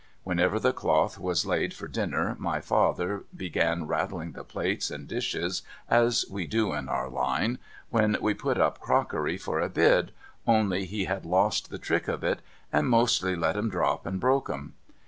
^^'henever the cloth was laid for dinner, my father began rattling the plates and dishes, as we do in our line when we put up crockery for a bid, only he had lost the trick of it, and mostly let 'em drop and broke 'em.